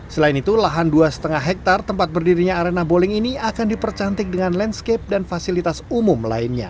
selain itu lahan dua lima hektare tempat berdirinya arena bowling ini akan dipercantik dengan landscape dan fasilitas umum lainnya